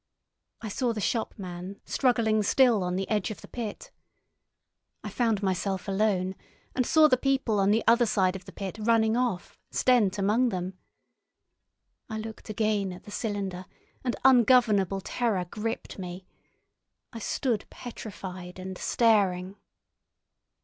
I saw the shopman struggling still on the edge of the pit. I found myself alone, and saw the people on the other side of the pit running off, Stent among them. I looked again at the cylinder, and ungovernable terror gripped me. I stood petrified and staring.